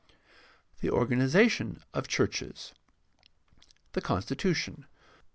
5. THE ORGANIZATION OF CHURCHES The constitution.